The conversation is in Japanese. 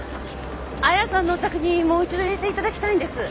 亜矢さんのお宅にもう一度入れていただきたいんです。